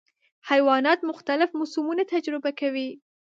حیوانات مختلف موسمونه تجربه کوي.